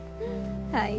はい。